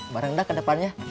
bareng dah ke depannya